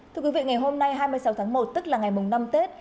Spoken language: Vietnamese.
thưa quý vị ngày hôm nay hai mươi sáu tháng một tức là ngày năm tết